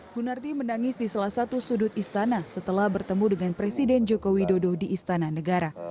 gunardi menangis di salah satu sudut istana setelah bertemu dengan presiden joko widodo di istana negara